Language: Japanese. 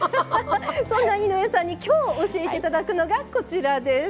そんな井上さんに今日教えて頂くのがこちらです。